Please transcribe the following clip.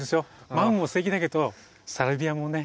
マムもすてきだけどサルビアもね